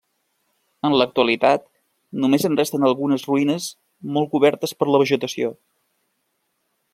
En l'actualitat només en resten algunes ruïnes molt cobertes per la vegetació.